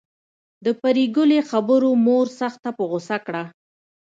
د پري ګلې خبرو مور سخته په غصه کړه